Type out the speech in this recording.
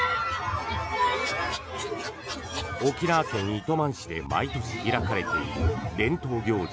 沖縄県糸満市で毎年開かれている伝統行事